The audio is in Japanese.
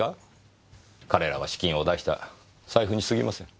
彼らは資金を出した財布にすぎません。